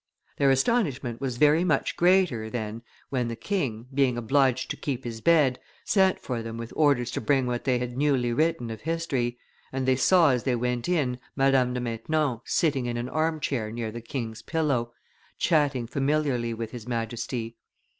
Their astonishment was very much greater, then, when the king, being obliged to keep his bed, sent for them with orders to bring what they had newly written of history, and they saw as they went in Madame de Maintenon sitting in an arm chair near the king's pillow, chatting familiarly with his Majesty.